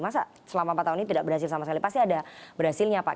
masa selama empat tahun ini tidak berhasil sama sekali pasti ada berhasilnya pak